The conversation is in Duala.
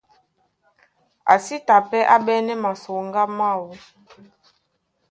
A sí ta pɛ́ á ɓɛ́nɛ́ masoŋgá máō.